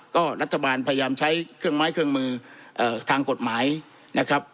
ก็รัฐบาลพยายามใช้เครื่องไม้เครื่องมือทางกฎหมายนะครับ